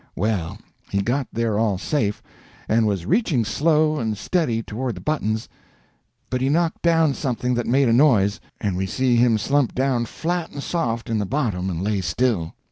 Well, he got there all safe, and was reaching slow and steady toward the buttons, but he knocked down something that made a noise, and we see him slump down flat an' soft in the bottom, and lay still.